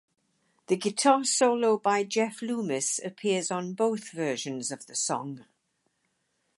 The guitar solo by Jeff Loomis appears on both versions of the song.